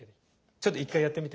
ちょっと１回やってみて。